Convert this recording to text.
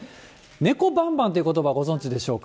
猫バンバンということば、ご存じでしょうか。